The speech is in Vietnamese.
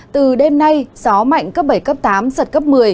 từ đêm nay gió mạnh cấp bảy cấp tám giật cấp một mươi